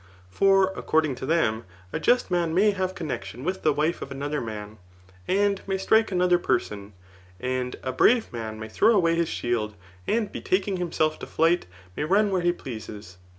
] For according to them, a just num may have connexion with the wife of another man, and may strike another person, and a brave man may throw away his shield, and betaking himself to flight may run where he pleases.